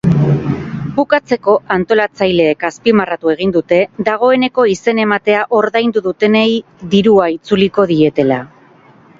Bukatzeko, antolatzaileek azpimarratu egin dute dagoeneko izen-ematea ordaindu dutenei dirua itzuliko dietela.